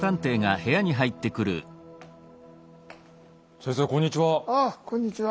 先生こんにちは。